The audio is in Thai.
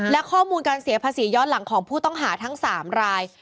และข้อมูลการเสียภาษีย้อนหลังของผู้ต้องหาทั้ง๓ราย